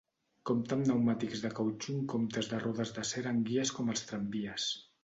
Compta amb pneumàtics de cautxú en comptes de rodes d'acer en guies com els tramvies.